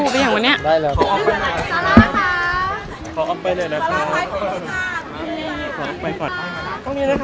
ด้านนี้มันกำลังเต้นไปเลย